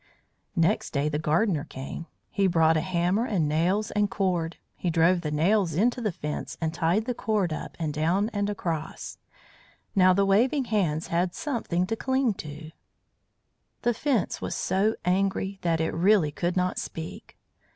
Next day the gardener came. He brought a hammer and nails and cord. He drove the nails into the fence and tied the cord up and down and across. Now the waving hands had something to cling to. The Fence was so angry that it really could not speak.